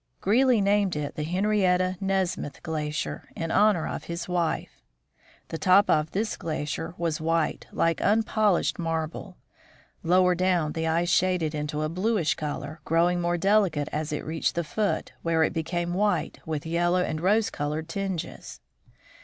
Greely named it the Henrietta Nesmith glacier, in honor of his wife. The top of this glacier was white, like unpolished mar ble. Lower down, the ice shaded into a bluish color, growing more delicate as it reached the foot, where it became white, with yellow and rose colored tinges.